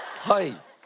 はい。